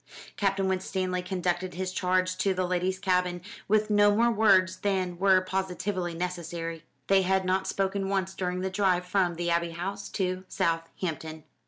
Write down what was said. Captain Winstanley conducted his charge to the ladies' cabin, with no more words than were positively necessary. They had not spoken once during the drive from the Abbey House to Southampton.